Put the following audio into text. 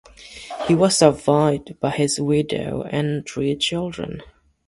He was survived by his widow and three children.